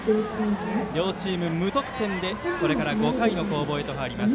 両チーム無得点でこれから５回の攻防へ入ります。